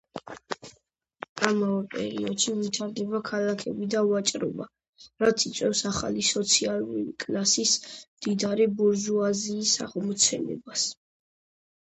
ამავე პერიოდში ვითარდება ქალაქები და ვაჭრობა, რაც იწვევს ახალი სოციალური კლასის, მდიდარი ბურჟუაზიის აღმოცენებას.